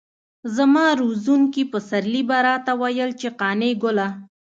زما روزونکي پسرلي به راته ويل چې قانع ګله.